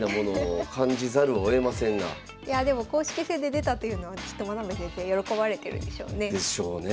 いやあでも公式戦で出たというのはきっと真部先生喜ばれてるでしょうね。でしょうね。